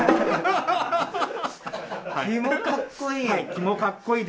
キモかっこいい。